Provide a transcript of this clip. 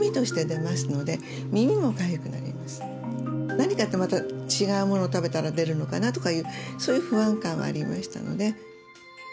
何かまた違うもの食べたら出るのかなとかいうそういう不安感はありましたよね。